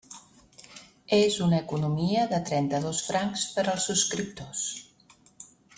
És una economia de trenta-dos francs per als subscriptors.